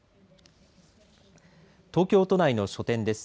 東京都内の書店です。